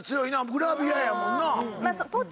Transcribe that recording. グラビアやもんな。